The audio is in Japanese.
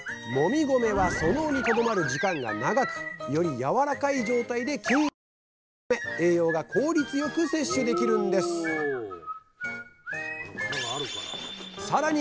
米は「嚢」にとどまる時間が長くよりやわらかい状態で筋胃に送られるため栄養が効率よく摂取できるんですさらに